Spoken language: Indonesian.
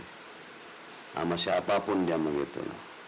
ramah sama siapapun dia mau gitu